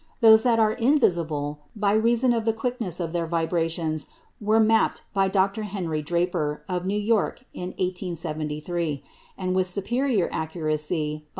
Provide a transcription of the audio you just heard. Those that are invisible by reason of the quickness of their vibrations were mapped by Dr. Henry Draper, of New York, in 1873, and with superior accuracy by M.